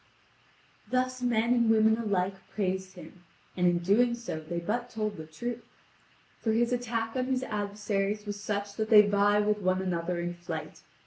(Vv. 3255 3340.) Thus men and women alike praised him, and in doing so they but told the truth. For his attack on his adversaries was such that they vie with one another in flight.